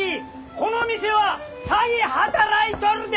この店は詐欺働いとるで！